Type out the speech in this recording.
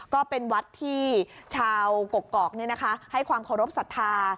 ก็เป็นวัดที่ชาวกกอกให้ความเคารพสัทธา